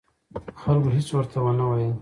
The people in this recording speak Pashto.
خلکو هېڅ ورته ونه ویل.